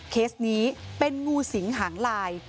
เคสนี้เป็นงูสิงหางลาย